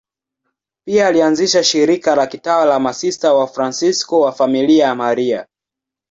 Pia alianzisha shirika la kitawa la Masista Wafransisko wa Familia ya Maria.